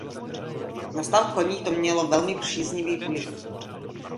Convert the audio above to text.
Na stav koní to mělo velmi příznivý vliv.